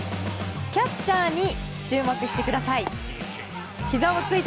キャッチャーに注目してください。